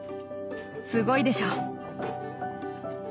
すごいでしょ。